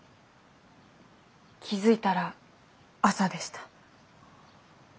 気付いたら朝でした。